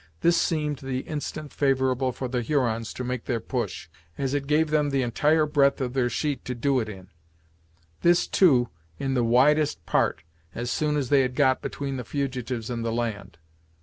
This seemed the instant favorable for the Hurons to make their push, as it gave them the entire breadth of the sheet to do it in; and this too in the widest part, as soon as they had got between the fugitives and the land.